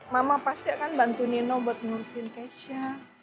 mama pasti akan bantu nino buat ngurusin keisha